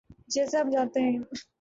جیسے ہم جانتے ہیں۔